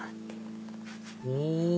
お！